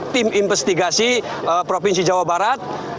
tim investigasi provinsi jawa barat